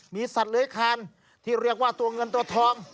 มีสัตว์เลื้อยคานที่เรียกว่าตัวเงินตัวทอง